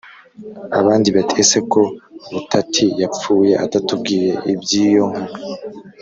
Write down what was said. Abandi bati: “Ese ko Butati yapfuye atatubwiye iby’iyo nka